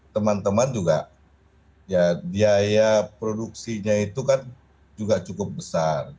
teman teman juga ya biaya produksinya itu kan juga cukup besar